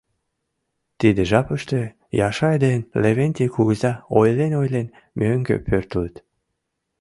Тиде жапыште Яшай ден Левентей кугыза ойлен-ойлен мӧҥгӧ пӧртылыт.